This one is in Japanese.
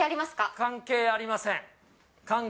関係ありません。